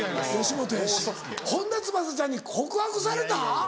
本田翼ちゃんに告白された？